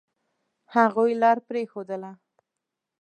هغوی لار پرېښودله.